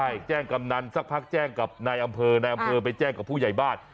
ใช่แจ้งกำนันสักพักแจ้งกับนายอำเภอนายอำเภอไปแจ้งกับผู้ใหญ่บ้าน